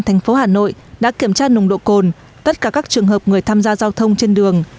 thành phố hà nội đã kiểm tra nồng độ cồn tất cả các trường hợp người tham gia giao thông trên đường